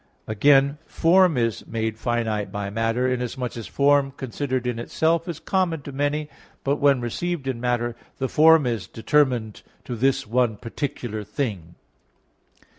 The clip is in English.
Again, form is made finite by matter, inasmuch as form, considered in itself, is common to many; but when received in matter, the form is determined to this one particular thing.